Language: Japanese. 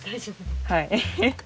はい。